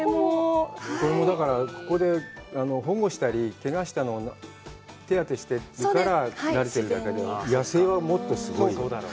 これも、だから、ここで保護したり、けがしたのを手当てしてるからなれてるだけで、野生はもっとすごいよ。